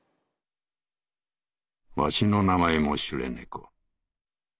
「儂の名前もシュレ猫。